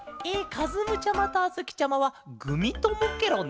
かずむちゃまとあづきちゃまはグミともケロね。